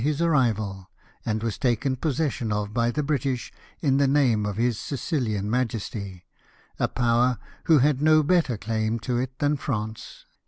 167 his arrival, and Avas taken possession of by the British m the name of his SiciUan Majesty — a Power who had no better claim to it than France.